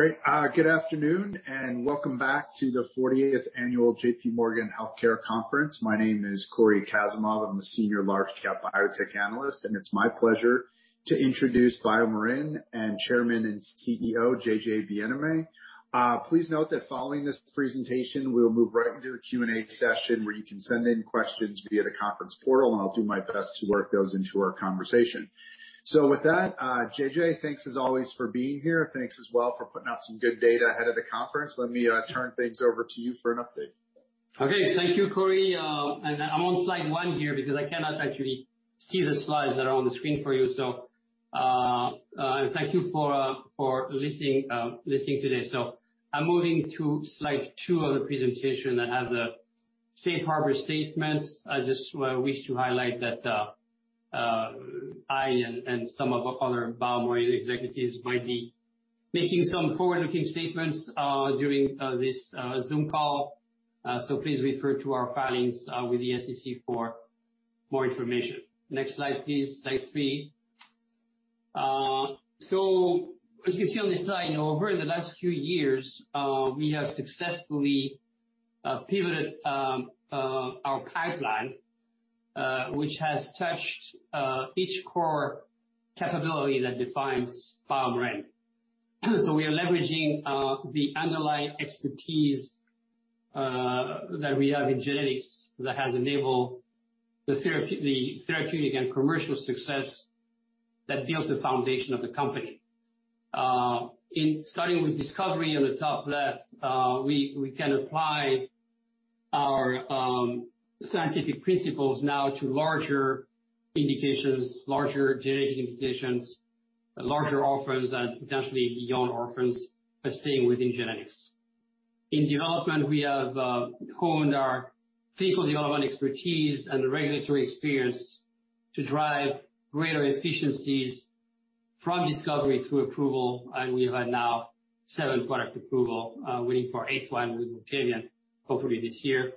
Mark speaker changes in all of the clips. Speaker 1: Great. Good afternoon, and welcome back to the 40th annual J.P. Morgan Healthcare Conference. My name is Cory Kasimov. I'm the senior large-cap biotech analyst, and it's my pleasure to introduce BioMarin and Chairman and CEO, Jean-Jacques Bienaimé. Please note that following this presentation, we'll move right into the Q&A session where you can send in questions via the conference portal, and I'll do my best to work those into our conversation. With that, JJ, thanks as always for being here. Thanks as well for putting out some good data ahead of the conference. Let me turn things over to you for an update.
Speaker 2: Okay. Thank you, Cory. I'm on slide one here because I cannot actually see the slides that are on the screen for you, so thank you for listening today. I'm moving to slide two of the presentation that has the safe harbor statements. I just wish to highlight that I and some of our other BioMarin executives might be making some forward-looking statements during this Zoom call. Please refer to our filings with the SEC for more information. Next slide, please. Slide three. As you can see on this slide, over the last few years, we have successfully pivoted our pipeline, which has touched each core capability that defines BioMarin. We are leveraging the underlying expertise that we have in genetics that has enabled the therapeutic and commercial success that built the foundation of the company. In starting with discovery on the top left, we can apply our scientific principles now to larger indications, larger genetic indications, larger orphans and potentially beyond orphans, but staying within genetics. In development, we have honed our clinical development expertise and regulatory experience to drive greater efficiencies from discovery to approval, and we have now seven product approvals, waiting for eighth one with Roctavian, hopefully this year.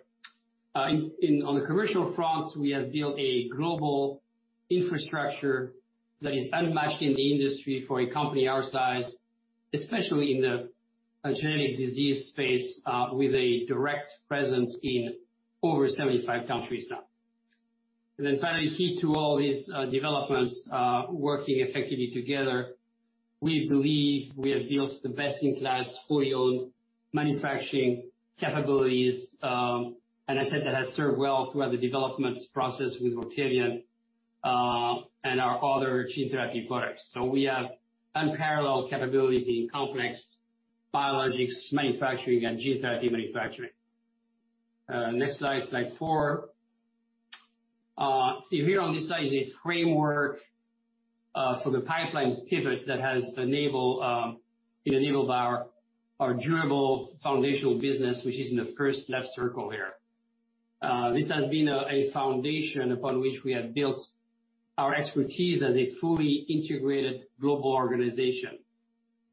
Speaker 2: On the commercial fronts, we have built a global infrastructure that is unmatched in the industry for a company our size, especially in the genetic disease space, with a direct presence in over 75 countries now. Finally, key to all these developments, working effectively together, we believe we have built the best-in-class, fully owned manufacturing capabilities, and a set that has served well throughout the development process with Roctavian, and our other gene therapy products. We have unparalleled capabilities in complex biologics manufacturing and gene therapy manufacturing. Next slide four. See here on this slide is a framework for the pipeline pivot it enabled our durable foundational business, which is in the first left circle here. This has been a foundation upon which we have built our expertise as a fully integrated global organization.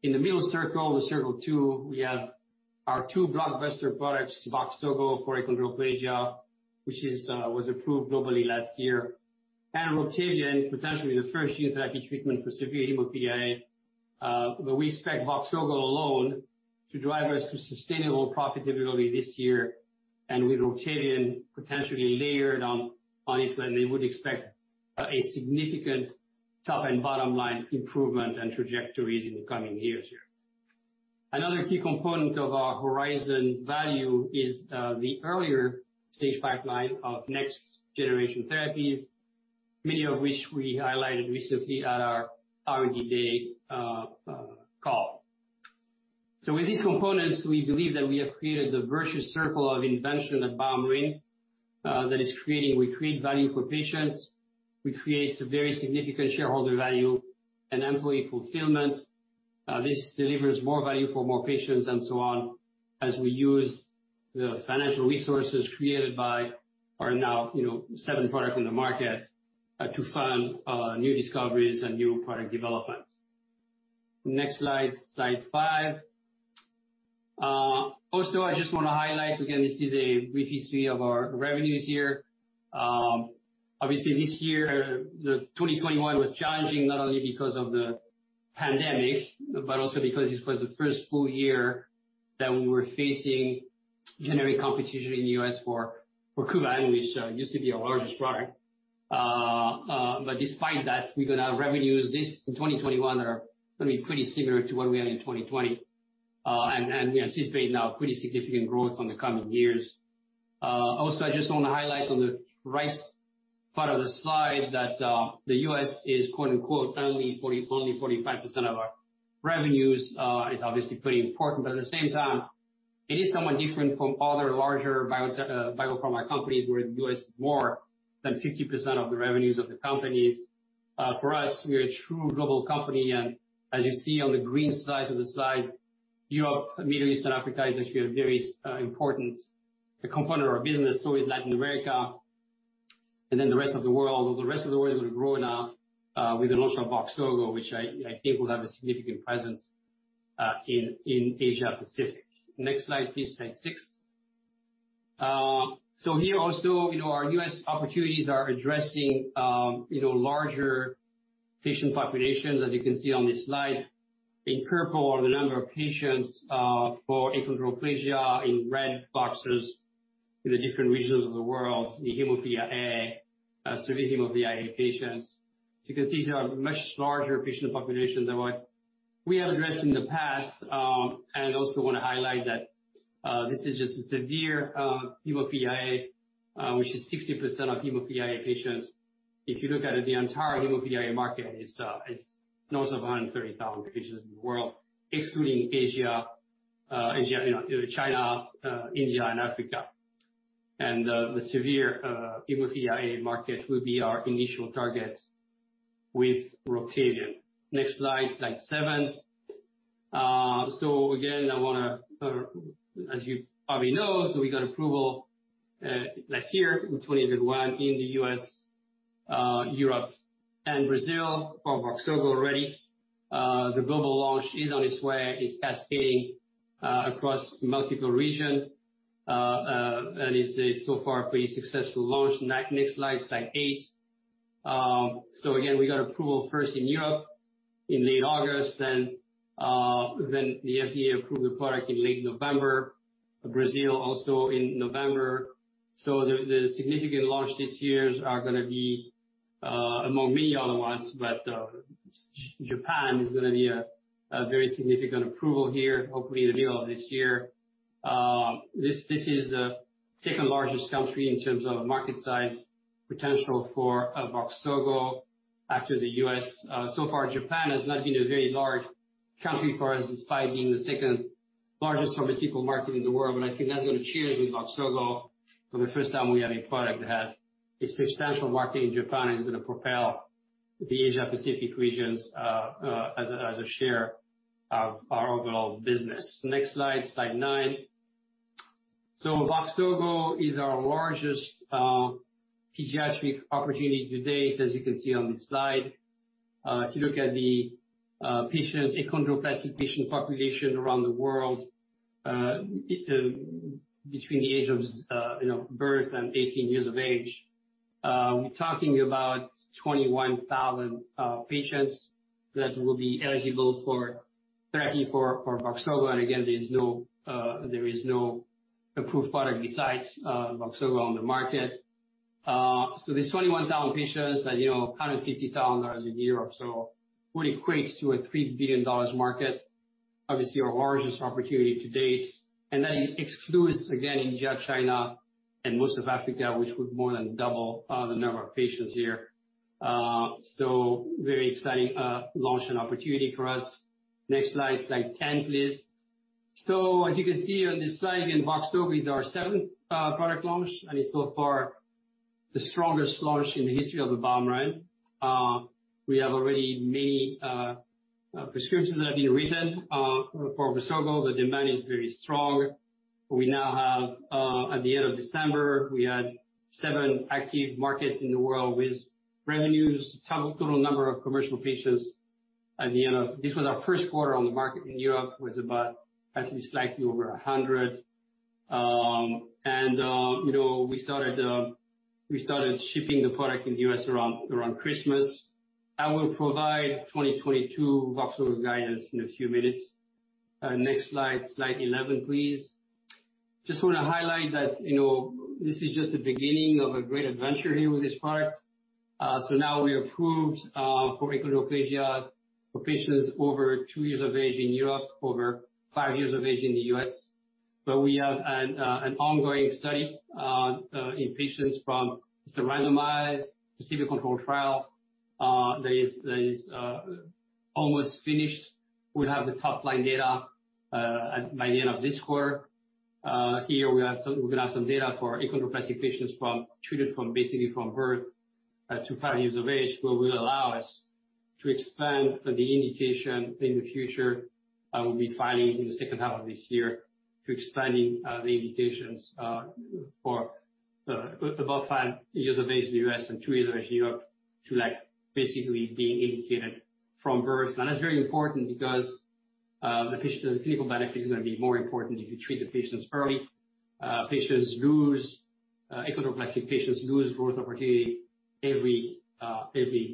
Speaker 2: In the middle circle, the circle two, we have our two blockbuster products, VOXZOGO for achondroplasia, which was approved globally last year, and Roctavian, potentially the first gene therapy treatment for severe hemophilia. We expect VOXZOGO alone to drive us to sustainable profitability this year. With Roctavian potentially layered on it, we would expect a significant top and bottom-line improvement and trajectories in the coming years here. Another key component of our horizon value is the earlier stage pipeline of next generation therapies, many of which we highlighted recently at our R&D day call. With these components, we believe that we have created the virtuous circle of invention at BioMarin that is creating value for patients. We create very significant shareholder value and employee fulfillment. This delivers more value for more patients, and so on, as we use the financial resources created by our now, you know, seven products in the market, to fund new discoveries and new product developments. Next slide five. Also I just wanna highlight again, this is a brief history of our revenues here. Obviously this year, the 2021 was challenging not only because of the pandemic, but also because this was the first full year that we were facing generic competition in the U.S. for Kuvan, which used to be our largest product. But despite that, we're gonna have revenues in 2021 are gonna be pretty similar to what we had in 2020. We anticipate now pretty significant growth in the coming years. Also, I just wanna highlight on the right part of the slide that the U.S. is quote-unquote, "only 45% of our revenues." It's obviously pretty important, but at the same time, it is somewhat different from other larger biotech biopharma companies where the U.S. is more than 50% of the revenues of the companies. For us, we are a true global company, and as you see on the green side of the slide, Europe, Middle East and Africa is actually a very important component of our business. So is Latin America, and then the rest of the world. The rest of the world is growing with the launch of VOXZOGO, which I think will have a significant presence in Asia-Pacific. Next slide, please. Slide six. Here also, you know, our U.S. opportunities are addressing, you know, larger patient populations, as you can see on this slide. In purple are the number of patients for achondroplasia. In red boxes, in the different regions of the world, the hemophilia A, severe hemophilia A patients, because these are much larger patient populations than what we have addressed in the past. I also wanna highlight that, this is just a severe hemophilia, which is 60% of hemophilia patients. If you look at it, the entire hemophilia market is north of 100,000 patients in the world, excluding Asia, you know, China, India and Africa. The severe hemophilia A market will be our initial target with Roctavian. Next slide seven. Again, I want to, as you probably know, we got approval last year in 2021 in the U.S., Europe and Brazil for VOXZOGO already. The global launch is on its way. It's cascading across multiple regions, and it's so far a pretty successful launch. Next slide eight. Again, we got approval first in Europe in late August, then the FDA approved the product in late November, Brazil also in November. The significant launches this year are gonna be among many other ones, but Japan is gonna be a very significant approval here, hopefully in the middle of this year. This is the second-largest country in terms of market size potential for VOXZOGO after the U.S. So far Japan has not been a very large country for us, despite being the second-largest pharmaceutical market in the world, but I think that's gonna change with VOXZOGO. For the first time, we have a product that has a substantial market in Japan, is gonna propel the Asia-Pacific regions as a share of our overall business. Next slide nine. VOXZOGO is our largest pediatric opportunity to date, as you can see on this slide. If you look at the patients, achondroplastic patient population around the world, between the age of you know birth and 18 years of age, we're talking about 21,000 patients that will be eligible for therapy for VOXZOGO. Again, there is no approved product besides VOXZOGO on the market. There's 21,000 patients at, you know, $150,000 a year, which equates to a $3 billion market. Obviously, our largest opportunity to date. That excludes, again, India, China and most of Africa, which would more than double the number of patients here. Very exciting launch and opportunity for us. Next slide 10, please. As you can see on this slide, again, VOXZOGO is our seventh product launch, and it's so far the strongest launch in the history of BioMarin, right? We have already many prescriptions that have been written for VOXZOGO. The demand is very strong. We now have, at the end of December, we had seven active markets in the world with revenues. Total number of commercial patients at the end of This was our first quarter on the market in Europe, was about at least slightly over 100. You know, we started shipping the product in the U.S. around Christmas. I will provide 2022 VOXZOGO guidance in a few minutes. Next slide 11, please. Just wanna highlight that, you know, this is just the beginning of a great adventure here with this product. Now we're approved for achondroplasia for patients over two years of age in Europe, over five years of age in the U.S. We have an ongoing study in patients from the randomized placebo-controlled trial that is almost finished. We'll have the top-line data by the end of this quarter. We're gonna have some data for achondroplasia patients from birth to five years of age, which will allow us to expand the indication in the future. We'll be filing in the second half of this year to expand the indications for above five years of age in the U.S. and two years of age in Europe to like basically being indicated from birth. That's very important because the clinical benefit is gonna be more important if you treat the patients early. Achondroplastic patients lose growth opportunity every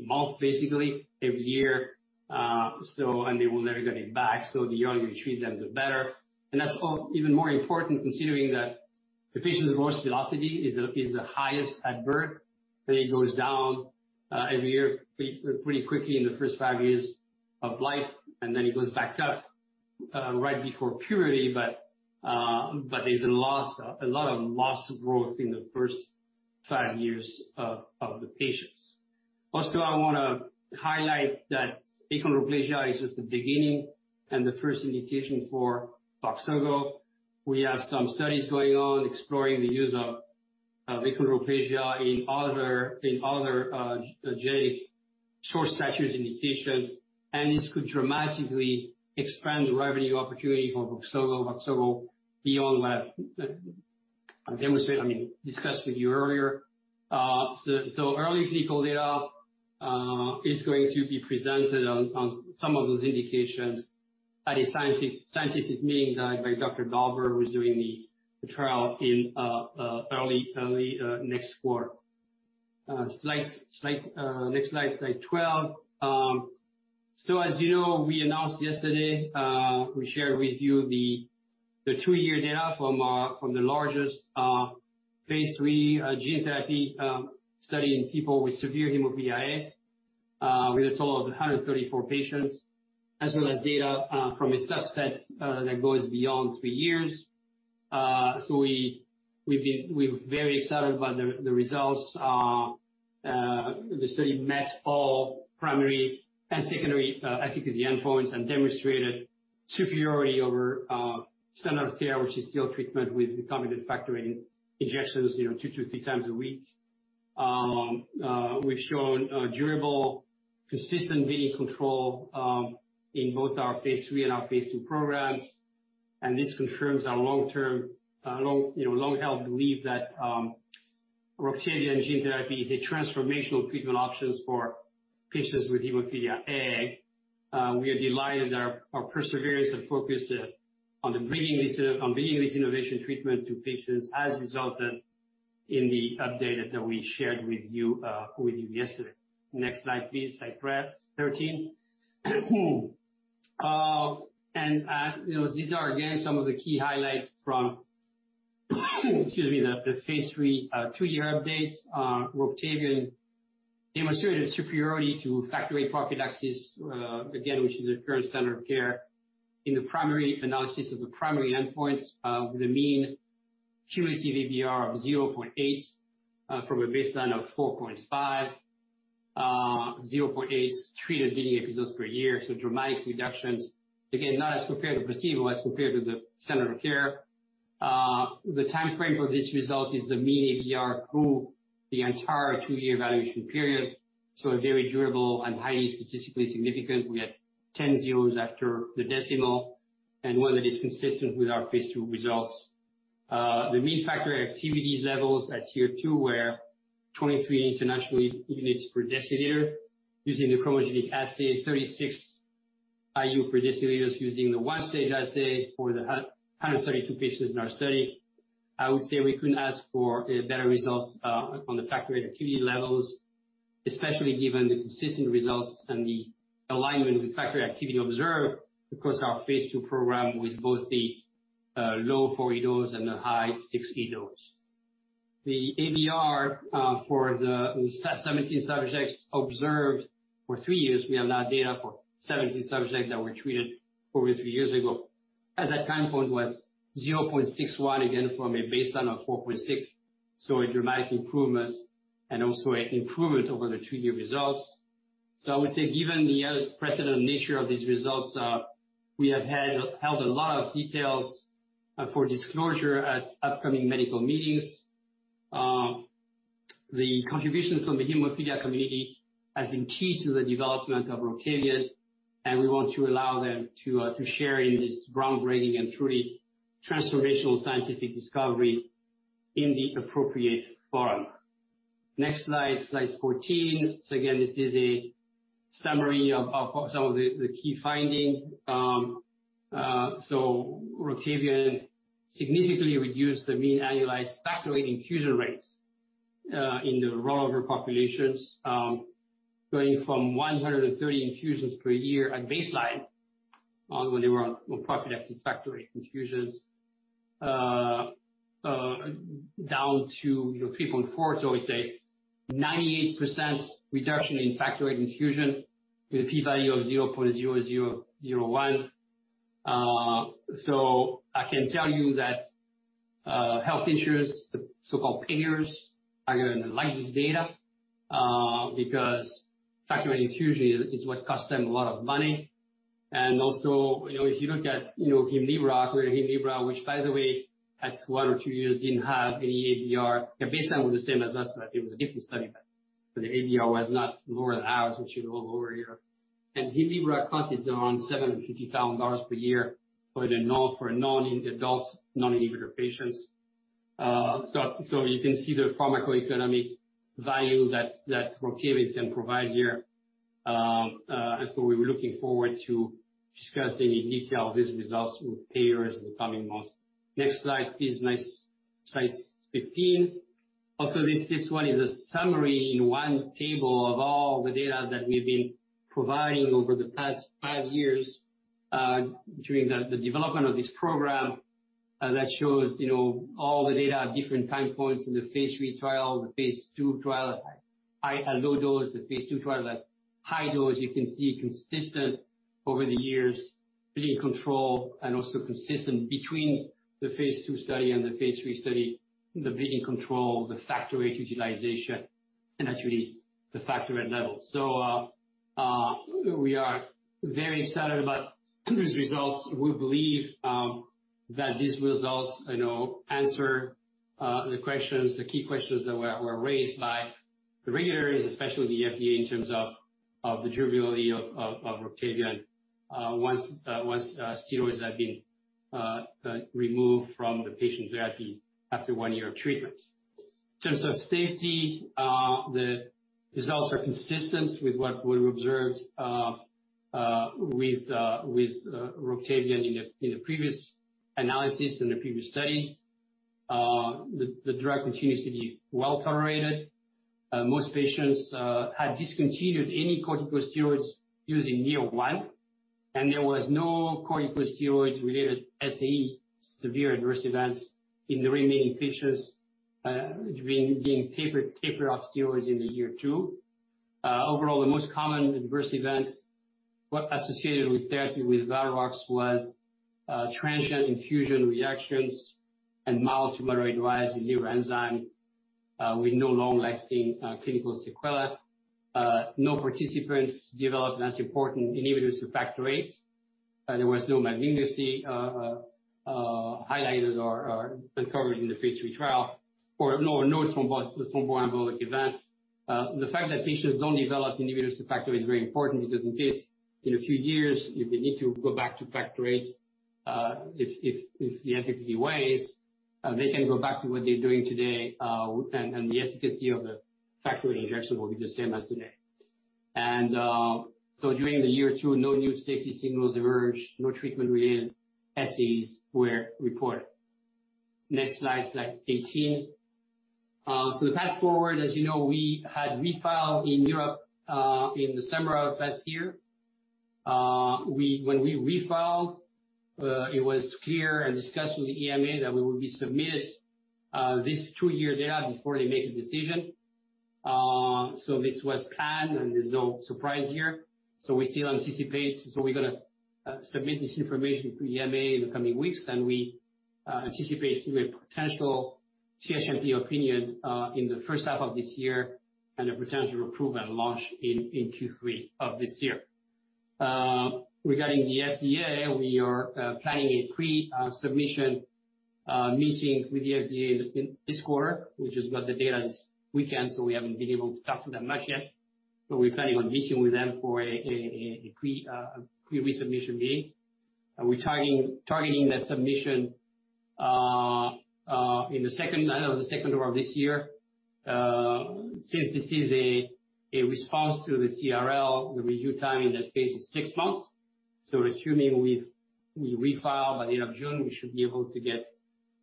Speaker 2: month, basically every year. They will never get it back. The younger you treat them, the better. That's even more important, considering that the patient's growth velocity is the highest at birth, then it goes down every year pretty quickly in the first five years of life, and then it goes back up right before puberty. There's a lot of loss of growth in the first five years of the patients. Also, I wanna highlight that achondroplasia is just the beginning and the first indication for VOXZOGO. We have some studies going on exploring the use of Voxzogo in other genetic short stature indications, and this could dramatically expand the revenue opportunity for VOXZOGO beyond what I demonstrated, I mean, discussed with you earlier. Early clinical data is going to be presented on some of those indications at a scientific meeting led by Dr. Dauber, who is doing the trial in early next quarter. Next slide 12. So as you know, we announced yesterday, we shared with you the two-year data from the largest phase III gene therapy study in people with severe hemophilia A, with a total of 134 patients, as well as data from a subset that goes beyond three years. We're very excited about the results. The study met all primary and secondary efficacy endpoints and demonstrated superiority over standard care, which is still treatment with recombinant factor VIII injections, you know, two to three times a week. We've shown a durable, consistent bleeding control in both our phase III and our phase II programs. This confirms our long-term, you know, long-held belief that Roctavian gene therapy is a transformational treatment option for patients with hemophilia A. We are delighted that our perseverance and focus on bringing this innovative treatment to patients has resulted in the update that we shared with you yesterday. Next slide please, slide thirteen. You know, these are again some of the key highlights from, excuse me, the phase III two-year updates. Roctavian demonstrated superiority to factor VIII prophylaxis, again, which is the current standard of care in the primary analysis of the primary endpoints, with a mean adjusted ABR of 0.8 from a baseline of 4.5. 0.8 treated bleeding episodes per year, so dramatic reductions. Again, not as compared to placebo, as compared to the standard of care. The time frame for this result is the mean AVR through the entire two-year evaluation period. It is a very durable and highly statistically significant. We have 10 zeros after the decimal, and one that is consistent with our phase II results. The mean factor activity levels at year two were 23 international units per deciliter using the chromogenic assay, 36 IU per deciliter using the one-stage assay for the 132 patients in our study. I would say we couldn't ask for a better result on the factor VIII activity levels, especially given the consistent results and the alignment with factor activity observed in our phase II program with both the low 40 dose and the high 60 dose. The ABR for the 17 subjects observed for three years, we have now data for 17 subjects that were treated over three years ago. At that time point was 0.61, again, from a baseline of 4.6. A dramatic improvement and also an improvement over the two-year results. I would say given the unprecedented nature of these results, we have held a lot of details for disclosure at upcoming medical meetings. The contributions from the hemophilia community has been key to the development of Roctavian, and we want to allow them to share in this groundbreaking and truly transformational scientific discovery in the appropriate forum. Next slide 14. Again, this is a summary of some of the key finding. Roctavian significantly reduced the mean annualized factor VIII infusion rates in the rollover populations, going from 130 infusions per year at baseline, when they were on prophylactic factor VIII infusions, down to, you know, 3.4. I would say 98% reduction in factor VIII infusion with a P value of 0.0001. I can tell you that health insurers, the so-called payers, are gonna like this data, because factor VIII infusion is what costs them a lot of money. Also, you know, if you look at, you know, Hemlibra or Hemlibra, which by the way, at one or two years didn't have any AVR. Their baseline was the same as us, but it was a different study, but the AVR was not lower than ours, which is also lower here. Hemlibra cost is around $750,000 per year for non-infant adults, non-inhibitor patients. You can see the pharmacoeconomic value that Roctavian can provide here. We're looking forward to discussing in detail these results with payers in the coming months. Next slide, please. Nice. Slide 15. This one is a summary in one table of all the data that we've been providing over the past five years, during the development of this program, that shows, you know, all the data at different time points in the phase III trial, the phase II trial at high, at low dose, the phase II trial at high dose. You can see consistent over the years, bleeding control and also consistent between the phase II study and the phase III study, the bleeding control, the factor VIII utilization, and actually the factor VIII level. We are very excited about these results. We believe that these results, you know, answer the questions, the key questions that were raised by the regulators, especially the FDA, in terms of the durability of Roctavian once steroids have been removed from the patient therapy after one year of treatment. In terms of safety, the results are consistent with what we observed with Roctavian in the previous analysis, in the previous studies. The drug continues to be well tolerated. Most patients had discontinued any corticosteroids by year one, and there was no corticosteroid-related SAE, severe adverse events, in the remaining patients between being tapered off steroids and year two. Overall, the most common adverse events were associated with therapy with Roctavian, transient infusion reactions and mild to moderate rise in liver enzyme, with no long-lasting clinical sequelae. No participants developed anti-factor VIII inhibitors to factor VIII. There was no malignancy highlighted or uncovered in the phase III trial, and no thromboembolic event. The fact that patients don't develop inhibitors to factor VIII is very important because in case in a few years if we need to go back to factor VIII, if the efficacy wanes, they can go back to what they're doing today, and the efficacy of the factor VIII injection will be the same as today. During year two, no new safety signals emerged. No treatment-related SAEs were reported. Next slide 18. Fast-forward, as you know, we had refiled in Europe in December of last year. When we refiled, it was clear and discussed with the EMA that we will be submitted this two-year data before they make a decision. This was planned, and there's no surprise here. We still anticipate we're gonna submit this information to the EMA in the coming weeks, and we anticipate receiving a potential CHMP opinion in the first half of this year, and a potential approval and launch in Q3 of this year. Regarding the FDA, we are planning a pre-submission meeting with the FDA in this quarter. We just got the data this weekend, so we haven't been able to talk to them much yet. We're planning on meeting with them for a pre-resubmission meeting. We're targeting the submission in the second half of the second quarter of this year. Since this is a response to the CRL, the review time in that space is six months. Assuming we refile by the end of June, we should be able to get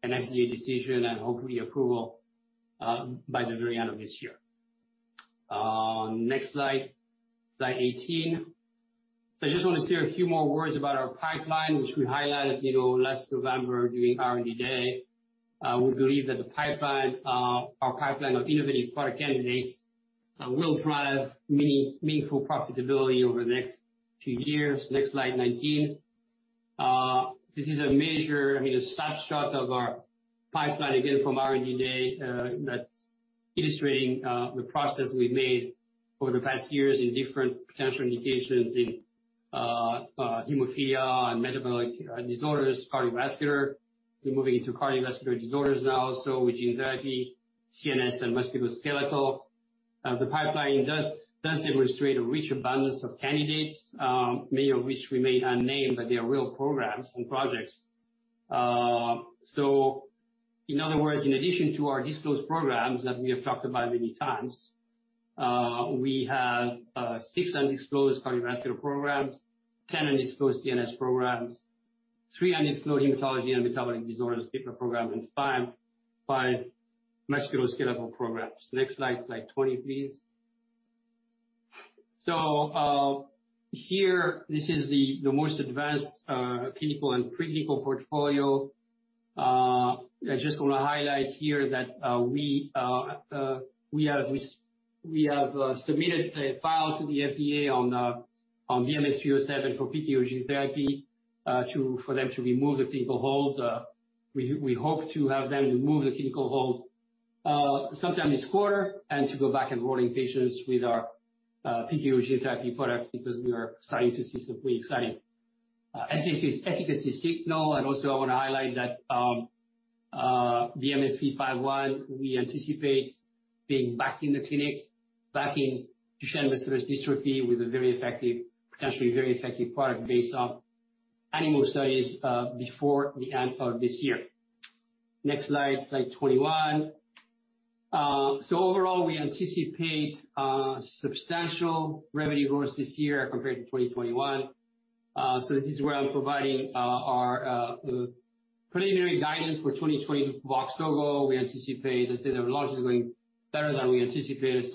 Speaker 2: an FDA decision and hopefully approval by the very end of this year. Next slide 18. I just wanna say a few more words about our pipeline, which we highlighted, you know, last November during R&D Day. We believe that the pipeline, our pipeline of innovative product candidates, will drive many meaningful profitability over the next few years. Next slide, 19. This is a measure, I mean, a snapshot of our pipeline again from R&D Day, that's illustrating the progress we've made over the past years in different potential indications in hemophilia and metabolic disorders, cardiovascular. We're moving into cardiovascular disorders now, so with gene therapy, CNS and musculoskeletal. The pipeline does demonstrate a rich abundance of candidates, many of which remain unnamed, but they are real programs and projects. In other words, in addition to our disclosed programs that we have talked about many times, we have six undisclosed cardiovascular programs, 10 undisclosed CNS programs, three undisclosed hematology and metabolic disorders pipeline program, and five musculoskeletal programs. Next slide 20, please. Here, this is the most advanced clinical and pre-clinical portfolio. I just wanna highlight here that we have submitted a file to the FDA on BMN 307 for PKU gene therapy for them to remove the clinical hold. We hope to have them remove the clinical hold sometime this quarter and to go back enrolling patients with our PKU gene therapy product because we are starting to see some pretty exciting efficacy signal. I wanna highlight that BMN 351 we anticipate being back in the clinic, back in Duchenne muscular dystrophy with a very effective, potentially very effective product based on animal studies before the end of this year. Next slide 21. Overall, we anticipate substantial revenue growth this year compared to 2021. This is where I'm providing our preliminary guidance for 2024 VOXZOGO. We anticipate the state of launch is going better than we anticipated.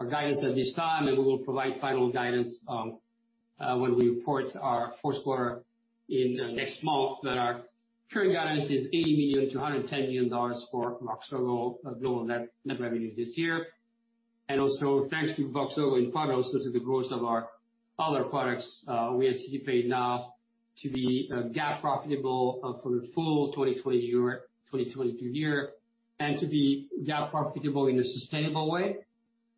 Speaker 2: Our guidance at this time, and we will provide final guidance when we report our fourth quarter in next month. Our current guidance is $80 million-$110 million for VOXZOGO global net revenues this year. Thanks to VOXZOGO and panels to the growth of our other products, we anticipate now to be GAAP profitable for the full 2022 year, and to be GAAP profitable in a sustainable way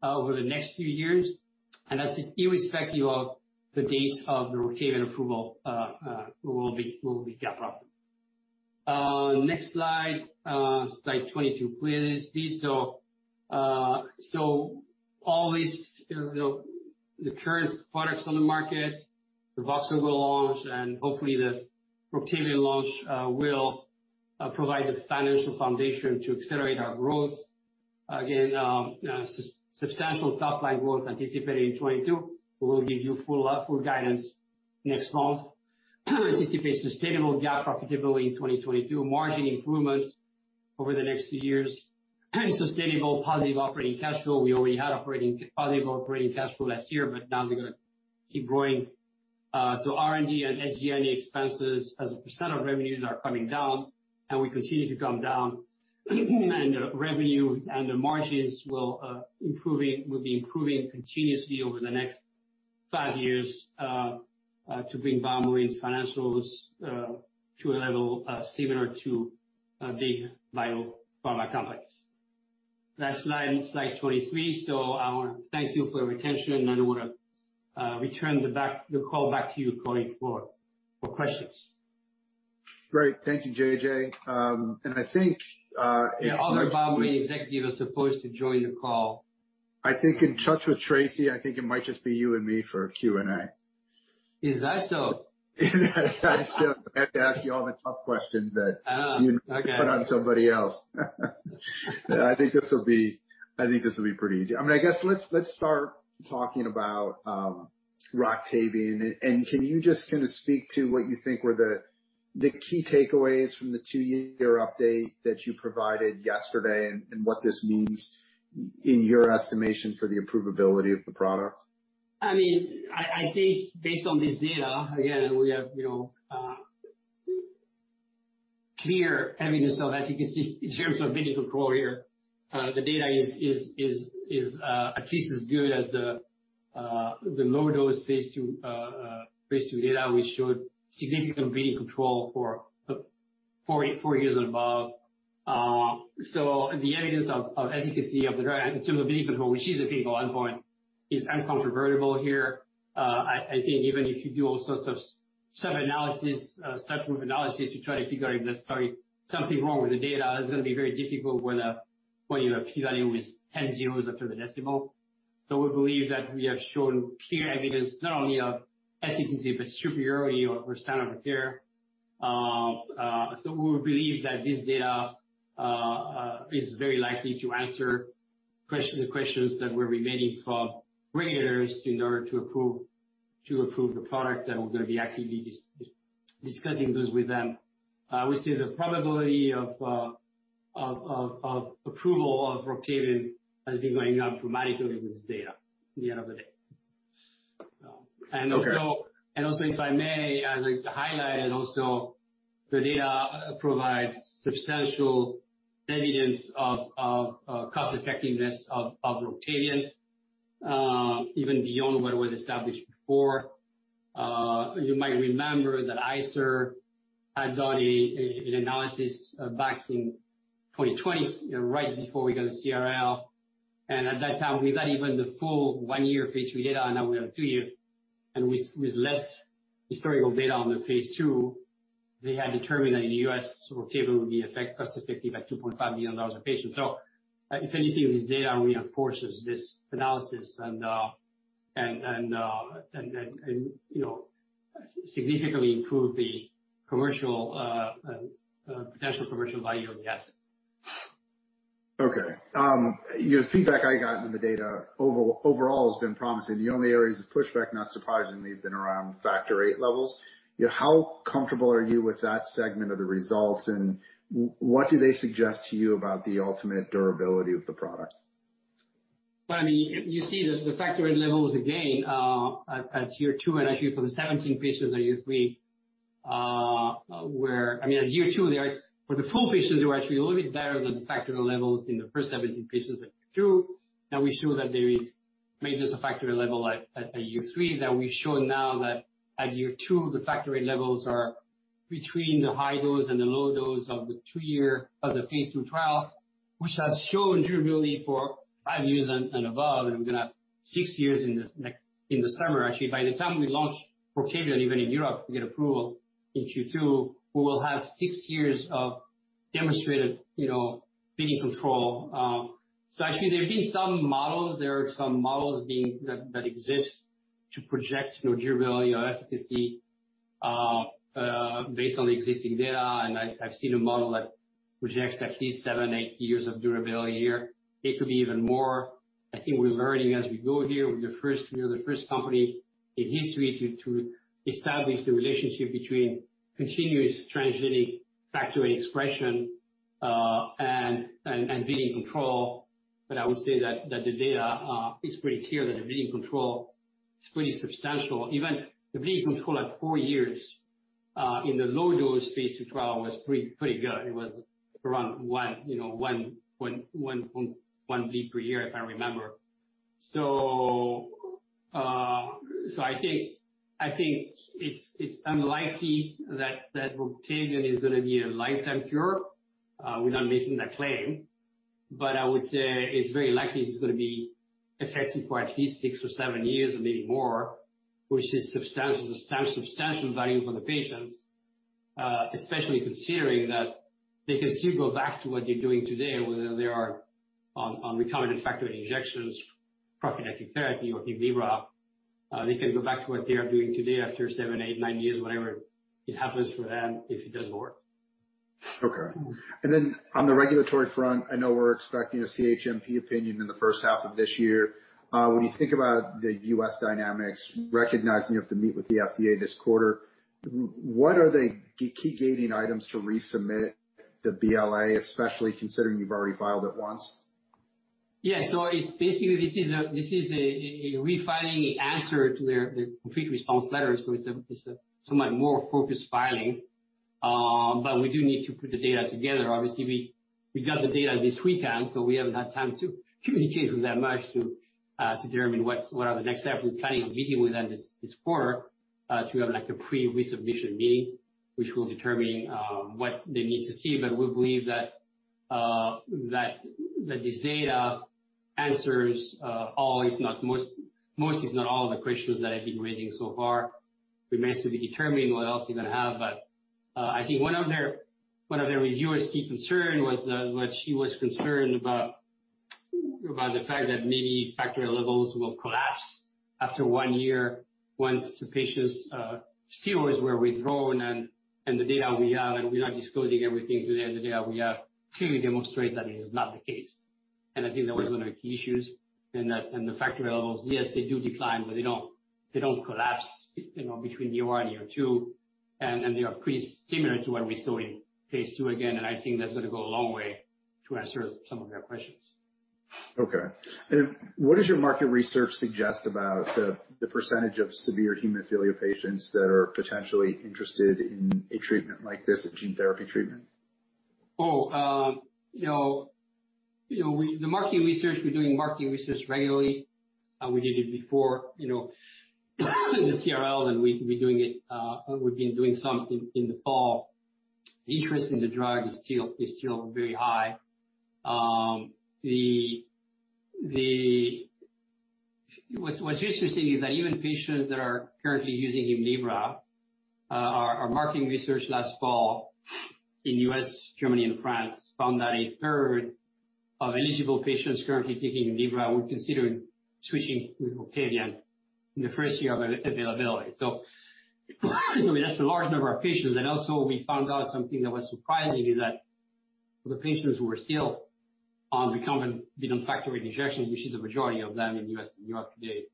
Speaker 2: over the next few years. That's irrespective of the dates of the Roctavian approval, we will be GAAP profitable. Next slide 22, please. All these, you know, the current products on the market, VOXZOGO will launch and hopefully the Roctavian launch will provide the financial foundation to accelerate our growth. Again, substantial top line growth anticipated in 2022. We will give you full guidance next month. Anticipate sustainable GAAP profitability in 2022. Margin improvements over the next two years. Sustainable positive operating cash flow. We already had positive operating cash flow last year, but now we're gonna keep growing. R&D and SG&A expenses as a percent of revenues are coming down, and will continue to come down. The revenue and the margins will be improving continuously over the next five years to bring BioMarin's financials to a level similar to big biopharma companies. Last slide, it's slide 23. I wanna thank you for your attention, and I wanna return the call back to you, Cory, for questions.
Speaker 1: Great. Thank you, JJ. I think, if-
Speaker 2: Other BioMarin executive is supposed to join the call.
Speaker 1: I think we're in touch with Tracy. I think it might just be you and me for Q&A.
Speaker 2: Is that so?
Speaker 1: Is that so? I have to ask you all the tough questions.
Speaker 2: Oh, okay.
Speaker 1: You put on somebody else. I think this will be pretty easy. I mean, I guess let's start talking about Roctavian. Can you just kinda speak to what you think were the key takeaways from the two-year update that you provided yesterday and what this means in your estimation for the approvability of the product?
Speaker 2: I mean, I think based on this data, again, we have, you know, clear evidence of efficacy in terms of bleeding control here. The data is at least as good as the low dose phase II data which showed significant bleeding control for four years and above. The evidence of efficacy of the drug in terms of bleeding control, which is the clinical endpoint, is incontrovertible here. I think even if you do all sorts of sub-analysis, subgroup analysis to try to figure out if there's something wrong with the data, that's gonna be very difficult when your p-value is 10 zeros after the decimal. We believe that we have shown clear evidence not only of efficacy but superiority or standard of care. We believe that this data is very likely to answer the questions that were remaining for regulators in order to approve the product. We're gonna be actively discussing this with them. We see the probability of approval of Roctavian has been going up dramatically with this data at the end of the day.
Speaker 1: Okay.
Speaker 2: If I may, I'd like to highlight the data provides substantial evidence of cost-effectiveness of Roctavian, even beyond what was established before. You might remember that ICER had done an analysis back in 2020, you know, right before we got a CRL. At that time we got even the full one-year phase III data, now we have a two-year. With less historical data on the phase II, they had determined that in the U.S. Roctavian would be cost-effective at $2.5 million a patient. Essentially this data reinforces this analysis and, you know, significantly improve the commercial potential commercial value of the asset.
Speaker 1: Okay. You know, feedback I got on the data overall has been promising. The only areas of pushback, not surprisingly, have been around factor eight levels. You know, how comfortable are you with that segment of the results, and what do they suggest to you about the ultimate durability of the product?
Speaker 2: I mean, you see the factor VIII levels again at year two and actually for the 17 patients at year three, I mean at year two for the full patients they were actually a little bit better than the factor VIII levels in the first 17 patients at phase II. Now we show that there is maintenance of factor VIII level at year three, that we show now that at year two the factor VIII levels are between the high dose and the low dose of the phase II trial, which has shown durability for five years and above, and we're gonna have six years in the summer actually. By the time we launch Roctavian even in Europe to get approval in Q2, we will have six years of demonstrated, you know, bleeding control. Actually there are some models that exist to project, you know, durability or efficacy based on the existing data, and I've seen a model that projects at least seven, eight years of durability here. It could be even more. I think we're learning as we go here. We're the first, you know, the first company in history to establish the relationship between continuous transgenic factor VIII expression and bleeding control. I would say that the data is pretty clear that the bleeding control is pretty substantial. Even the bleeding control at four years in the low-dose phase II trial was pretty good. It was around one point one bleed per year, if I remember. I think it's unlikely that Roctavian is gonna be a lifetime cure, we're not making that claim. I would say it's very likely it's gonna be effective for at least six or seven years or maybe more, which is substantial value for the patients. Especially considering that they can still go back to what you're doing today, whether they are on recombinant factor injections, prophylactic therapy or Hemlibra. They can go back to what they are doing today after seven, eight, nine years, whatever it happens for them, if it doesn't work.
Speaker 1: Okay. On the regulatory front, I know we're expecting a CHMP opinion in the first half of this year. When you think about the U.S. dynamics, recognizing you have to meet with the FDA this quarter, what are the key gating items to resubmit the BLA, especially considering you've already filed it once?
Speaker 2: It's basically a refiling answer to their complete response letter, so it's a somewhat more focused filing. We do need to put the data together. Obviously, we got the data this weekend, so we haven't had time to communicate with them much to determine what are the next steps. We're planning on meeting with them this quarter to have, like, a pre-resubmission meeting which will determine what they need to see. We believe that this data answers most if not all of the questions that I've been raising so far. Remains to be determined what else they're gonna have. I think one of their reviewer's key concern was the. What she was concerned about the fact that maybe factor levels will collapse after one year once the patient's steroids were withdrawn and the data we have, and we're not disclosing everything today, clearly demonstrate that is not the case. I think that was one of the key issues. The factor levels, yes, they do decline, but they don't collapse, you know, between year one and year two. They are pretty similar to what we saw in phase II again, and I think that's gonna go a long way to answer some of their questions.
Speaker 1: Okay. What does your market research suggest about the percentage of severe hemophilia patients that are potentially interested in a treatment like this, a gene therapy treatment?
Speaker 2: You know, the market research, we're doing market research regularly. We did it before, you know, the CRL, and we're doing it, we've been doing some in the fall. Interest in the drug is still very high. What's interesting is that even patients that are currently using Hemlibra, our market research last fall in U.S., Germany and France found that a third of eligible patients currently taking Hemlibra were considering switching to Roctavian in the first year of availability. I mean, that's a large number of patients. Also we found out something that was surprising is that the patients who are still on recombinant factor VIII injections, which is the majority of them in U.S. and Europe today,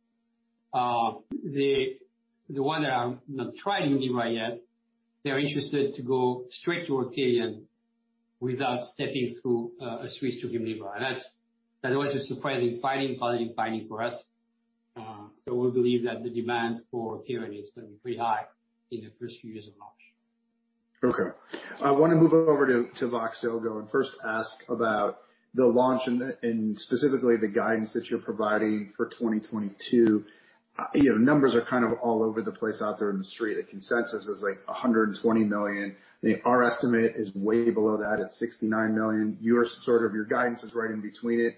Speaker 2: the ones that have not tried Hemlibra yet, they're interested to go straight to Roctavian without stepping through a switch to Hemlibra. That was a surprising finding, positive finding for us. We believe that the demand for Roctavian is gonna be pretty high in the first few years of launch.
Speaker 1: Okay. I wanna move over to VOXZOGO and first ask about the launch and specifically the guidance that you're providing for 2022. You know, numbers are kind of all over the place out there in the street. The consensus is, like, $120 million. Our estimate is way below that at $69 million. Your sort of your guidance is right in between it.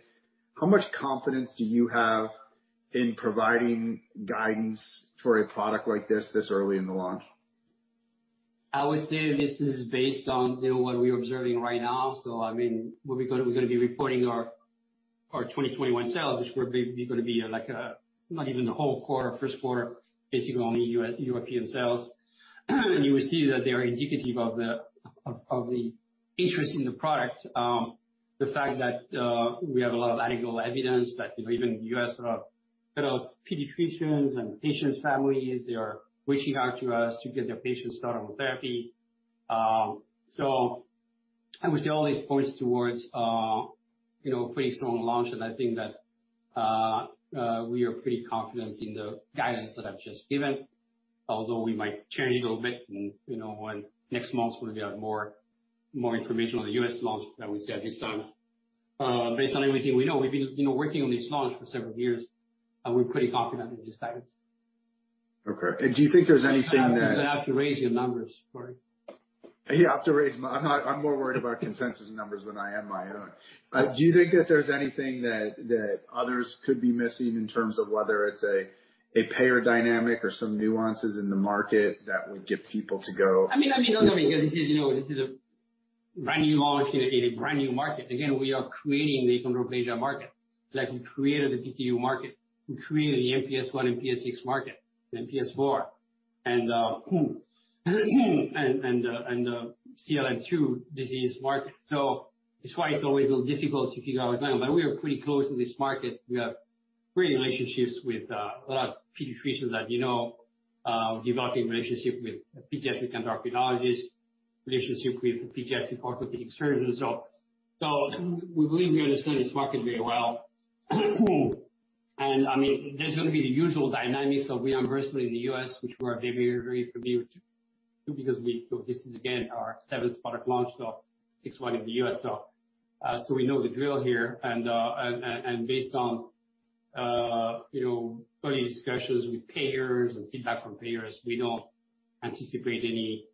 Speaker 1: How much confidence do you have in providing guidance for a product like this this early in the launch?
Speaker 2: I would say this is based on, you know, what we're observing right now. I mean, we're gonna be reporting our 2021 sales, which we're gonna be, like, a not even a whole quarter, first quarter, basically only U.S., European sales. You will see that they are indicative of the interest in the product. The fact that we have a lot of analytical evidence that, you know, even U.S. kind of pediatricians and patients' families, they are reaching out to us to get their patients started on therapy. I would say all this points towards, you know, pretty strong launch. I think that we are pretty confident in the guidance that I've just given, although we might change a little bit in, you know, next month when we have more information on the U.S. launch than we see at this time. Based on everything we know, we've been, you know, working on this launch for several years, and we're pretty confident in this guidance.
Speaker 1: Okay. Do you think there's anything that
Speaker 2: You have to raise your numbers. Sorry.
Speaker 1: Yeah, I'm more worried about consensus numbers than I am my own. Do you think that there's anything that others could be missing in terms of whether it's a payer dynamic or some nuances in the market that would get people to go?
Speaker 2: I mean, no, this is, you know, a brand new launch in a brand new market. Again, we are creating the achondroplasia market like we created the PKU market. We created the MPS I, MPS VI market, MPS IVA, and the CLN2 disease market. That's why it's always a little difficult to figure out what's going on. We are pretty close in this market. We have great relationships with a lot of pediatricians that you know developing relationship with pediatric endocrinologists, relationship with the pediatric orthopedic surgeons. We believe we understand this market very well. I mean, there's gonna be the usual dynamics of reimbursement in the U.S., which we're very, very familiar to because we... This is again our seventh product launch, sixth one in the U.S. We know the drill here. Based on you know early discussions with payers and feedback from payers, we don't anticipate any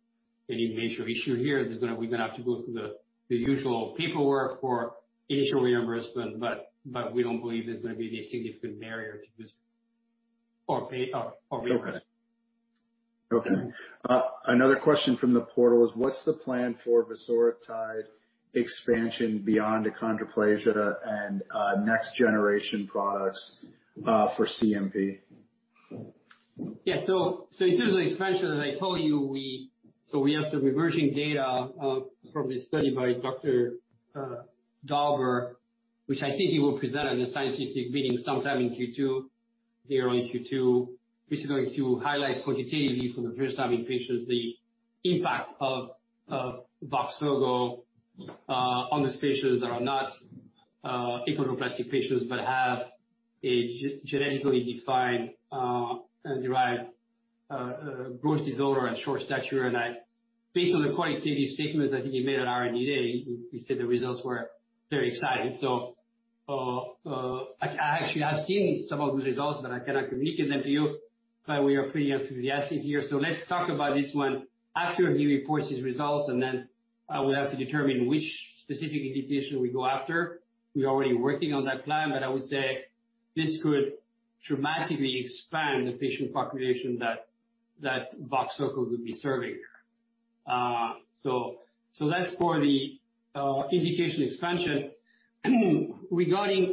Speaker 2: major issue here. We're gonna have to go through the usual paperwork for initial reimbursement, but we don't believe there's gonna be any significant barrier to this or payer or weekly.
Speaker 1: Okay, another question from the portal is what's the plan for vosoritide expansion beyond achondroplasia and next generation products for CNP?
Speaker 2: Yeah. In terms of expansion, as I told you, we have some emerging data from a study by Dr. Balber, which I think he will present at a scientific meeting sometime in Q2, early Q2. This is going to highlight quantitatively for the first time in patients the impact of VOXZOGO on these patients that are not achondroplastic patients, but have a genetically defined and derived growth disorder and short stature. Based on the quantitative statements I think he made at R&D Day, he said the results were very exciting. I actually have seen some of the results, but I cannot communicate them to you, but we are pretty enthusiastic here. Let's talk about this one after he reports his results, and then we'll have to determine which specific indication we go after. We're already working on that plan, but I would say this could dramatically expand the patient population that VOXZOGO would be serving here. That's for the indication expansion. Regarding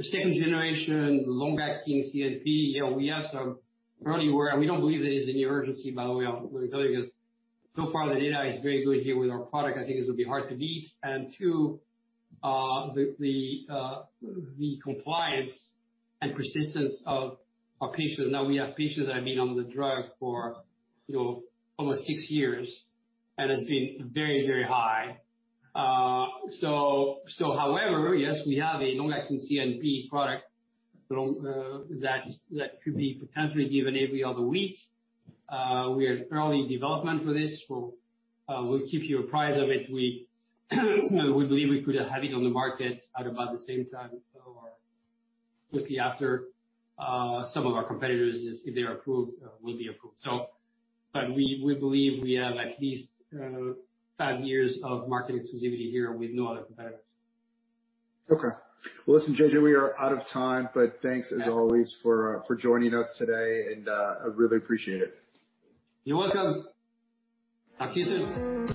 Speaker 2: second generation long-acting CNP, you know, we have some early work. We don't believe there is any urgency, by the way, I'm gonna tell you, because so far the data is very good here with our product. I think it would be hard to beat. And two, the compliance and persistence of our patients. Now we have patients that have been on the drug for, you know, almost six years and has been very high. However, yes, we have a long-acting CNP product that could be potentially given every other week. We are early in development for this. We'll keep you apprised of it. We believe we could have it on the market at about the same time or quickly after some of our competitors if they're approved. We believe we have at least five years of market exclusivity here with no other competitors.
Speaker 1: Okay. Well, listen, JJ, we are out of time, but thanks as always for joining us today, and I really appreciate it.
Speaker 2: You're welcome. Thank you, sir.